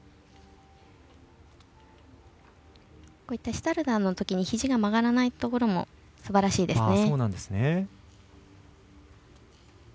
シュタルダーのときにひじが曲がらないところもすばらしいですね。